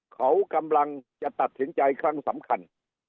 เขากำลังจะตัดสินใจครั้งสำคัญ